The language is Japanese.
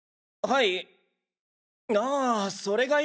はい。